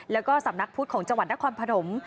แล้วก็ศัพท์นักพุธของจังหวัดนครพโรม